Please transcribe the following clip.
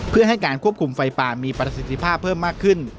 เพื่อให้การควบคุมไฟป่ามีประสิทธิภาพเพิ่มมากขึ้น